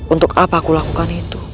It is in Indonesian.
untuk apa aku lakukan itu